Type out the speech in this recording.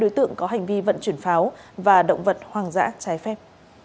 hai đối tượng có hành vi vận chuyển pháo và động vật hoàng dã trái phép